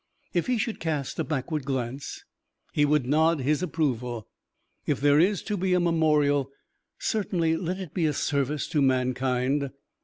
If he should cast a backward glance, he would nod his approval. If there is to be a memorial, certainly let it be a service to mankind.